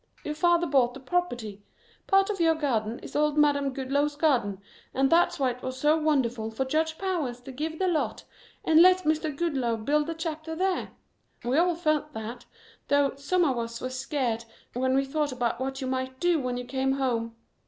Your father bought the property. Part of your garden is old Madam Goodloe's garden and that's why it was so wonderful for Judge Powers to give the lot and let Mr. Goodloe build the chapel there. We all felt that, though some of us were scared when we thought about what you might do when you came home.